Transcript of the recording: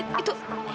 itu itu pak prabu